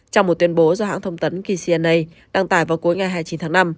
trong một tuyên bố do hãng thông tấn kcna đăng tải vào cuối ngày hai mươi chín tháng năm